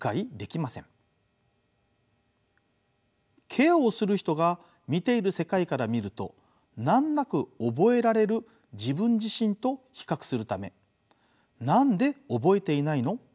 ケアをする人が見ている世界から見ると難なく覚えられる自分自身と比較するため何で覚えていないの？